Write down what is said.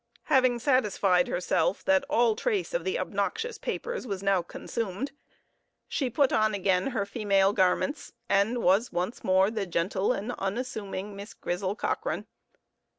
Having satisfied herself that all trace of the obnoxious papers was now consumed, she put on again her female garments, and was once more the gentle and unassuming Miss Grizel Cochrane.